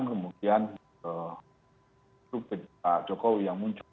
kemudian itu bdk jokowi yang muncul